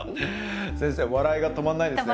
先生笑いが止まんないですね